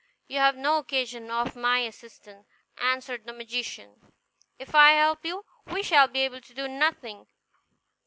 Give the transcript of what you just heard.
"You have no occasion for my assistance," answered the magician; "if I help you, we shall be able to do nothing.